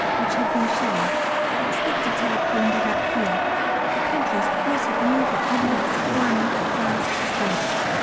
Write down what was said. which had been shelled. Expect to take wounded up here. The country is wetter than ever it looks one vast swamp.